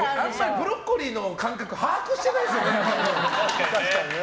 ブロッコリーの間隔把握してないですよ。